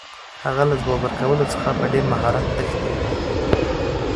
هغه له ځواب ورکولو څخه په ډېر مهارت تښتي.